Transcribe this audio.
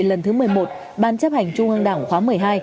lần thứ một mươi một ban chấp hành trung ương đảng khóa một mươi hai